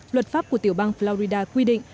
luật pháp của tiểu bang florida quy định